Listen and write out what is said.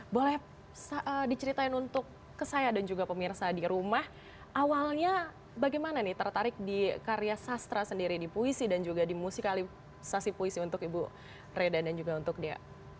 boleh diceritain untuk saya dan juga pemirsa di rumah awalnya bagaimana nih tertarik di karya sastra sendiri di puisi dan juga di musikalisasi puisi untuk ibu reda dan juga untuk dea